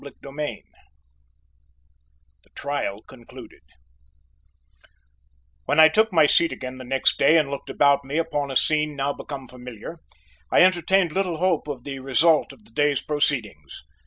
CHAPTER XI THE TRIAL CONCLUDED When I took my seat again the next day and looked about me upon a scene now become familiar, I entertained little hope of the result of the day's proceedings.